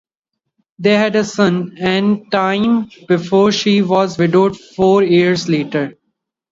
They had a son, Antime, before she was widowed four years later.